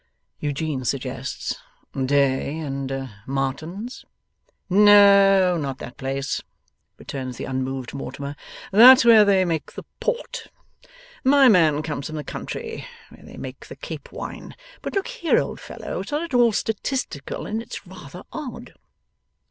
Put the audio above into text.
Eugene suggests 'Day and Martin's.' 'No, not that place,' returns the unmoved Mortimer, 'that's where they make the Port. My man comes from the country where they make the Cape Wine. But look here, old fellow; its not at all statistical and it's rather odd.